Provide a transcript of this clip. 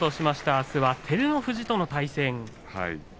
あすは照ノ富士との対戦です。